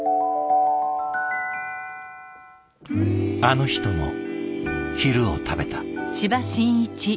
あの人も昼を食べた。